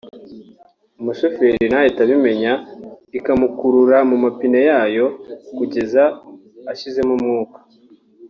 umushoferi ntanahite abimenya ikamukurura mu mapine yayo kugeza ashizemo umwuka